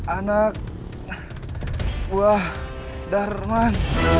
anak buah darman